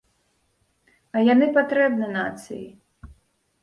А яны патрэбна нацыі.